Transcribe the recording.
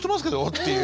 っていう。